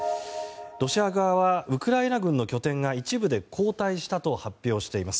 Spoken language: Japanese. ロシア側はウクライナ軍の拠点が一部で後退したと発表しています。